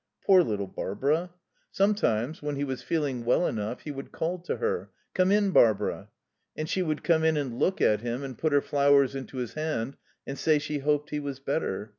Poor little Barbara. Sometimes, when he was feeling well enough, he would call to her: "Come in, Barbara." And she would come in and look at him and put her flowers into his hand and say she hoped he was better.